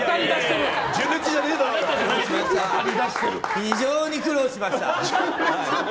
非常に苦労しました。